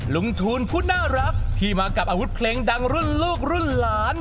ทูลผู้น่ารักที่มากับอาวุธเพลงดังรุ่นลูกรุ่นหลาน